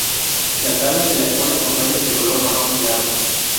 Las alas y la cola con rayas de color marrón claro.